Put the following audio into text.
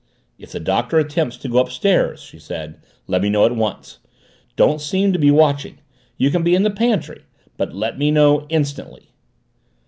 "If the Doctor attempts to go upstairs," she said, "let me know at once. Don't seem to be watching. You can be in the pantry. But let me know instantly."